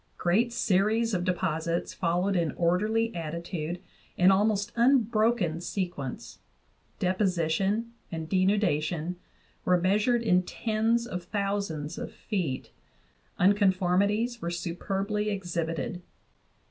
Great series of de posits followed in orderly attitude and almost unbroken se quence ; deposition and denudation were measured in tens of thousands of feet; unconformities were superbly exhibited.